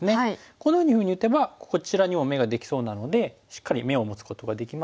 こんなふうに打てばこちらにも眼ができそうなのでしっかり眼を持つことができますし。